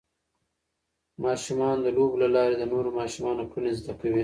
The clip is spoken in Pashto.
ماشومان د لوبو له لارې د نورو ماشومانو کړنې زده کوي.